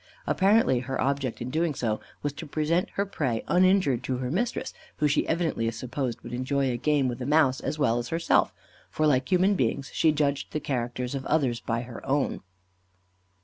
Apparently her object in so doing was to present her prey uninjured to her mistress, who she evidently supposed would enjoy a game with a mouse as well as herself, for like human beings she judged the characters of others by her own.